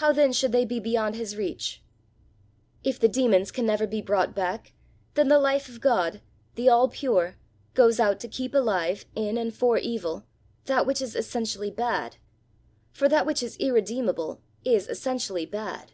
How then should they be beyond his reach? "If the demons can never be brought back, then the life of God, the all pure, goes out to keep alive, in and for evil, that which is essentially bad; for that which is irredeemable is essentially bad."